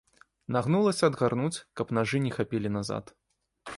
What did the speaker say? Нагнулася адгарнуць, каб нажы не хапілі назад.